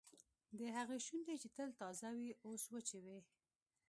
د هغې شونډې چې تل تازه وې اوس وچې وې